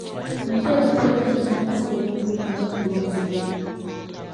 Mu nteekateeka eno etandise leero okutuuka enkya ku Lwokubiri.